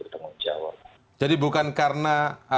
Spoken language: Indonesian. bertanggung jawab jadi bukan karena